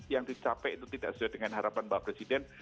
yang dicapai itu tidak sesuai dengan harapan pak presiden